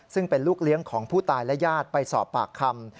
ซึ่งเป็นลูกเลี้ยงของผู้ตายและญาติไปสอบปากคำ